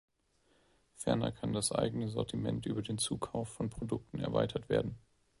Ferner kann das eigene Sortiment über den Zukauf von Produkten erweitert werden.